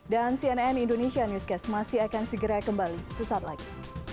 dan cnn indonesia newscast masih akan segera kembali sesaat lagi